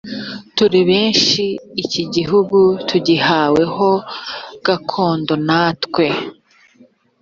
turi benshi iki gihugu tugihawe ho gakondo natwe